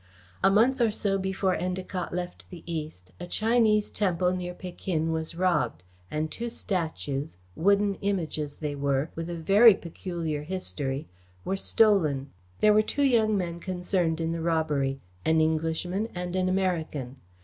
A month or so before Endacott left the East, a Chinese temple near Pekin was robbed, and two statues, wooden Images they were, with a very peculiar history, were stolen. There were two young men concerned in the robbery an Englishman and an American.